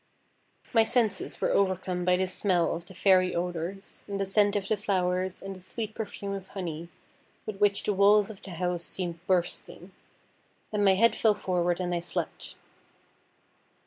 My senses were overcome by the smell of the Fairy odours, and the scent of the flowers, and the sweet perfume of honey, with which the walls of the house seemed bursting. And my head fell forward and I slept.